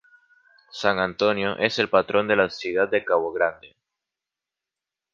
San Antonio es el patrón de la ciudad de Campo Grande.